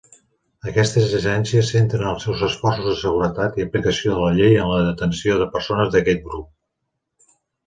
Aquestes agències centren els seus esforços de seguretat i aplicació de la llei en la detenció de persones d'aquest grup.